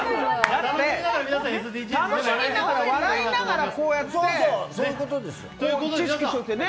楽しみながら笑いながら、こうやって知識としてね。